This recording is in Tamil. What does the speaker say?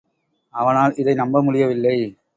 அவனால் இதை நம்ப முடியவில்லை.